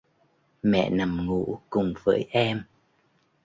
mẹ nằm ngủ cùng với em